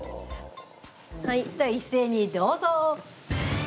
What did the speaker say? では一斉にどうぞ。